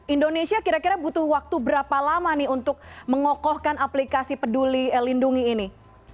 indonesia kira kira butuh waktu berapa lama nih untuk mengokohkan aplikasi peduli lindungi ini